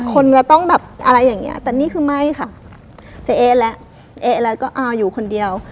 คนก็ต้องแบบอะไรอย่างเงี้ยแต่นี่คือไม่ค่ะเจ๊เอ๊ะและเอ๊ะแล้วก็เอาอยู่คนเดียว